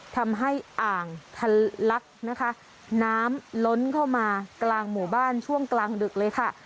อ่างทันลักนะคะน้ำล้นเข้ามากลางหมู่บ้านช่วงกลางดึกเลยค่ะ